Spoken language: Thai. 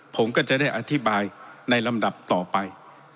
ผมก็จะได้อธิบายในลำดับต่อไป